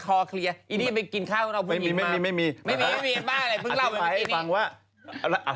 แกจะไปกินข้าวแล้วเล่า